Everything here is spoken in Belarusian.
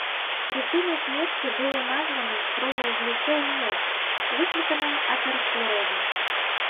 Прычынай смерці было названа кровазліццё ў мозг, выкліканае атэрасклерозам.